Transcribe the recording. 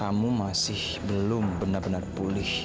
kamu masih belum benar benar pulih